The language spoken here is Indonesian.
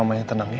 mamanya tenang ya